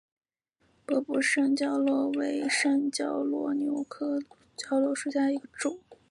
波部山椒螺为山椒蜗牛科山椒螺属下的一个种。